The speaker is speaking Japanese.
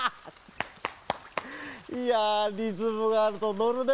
いやリズムがあるとのるね。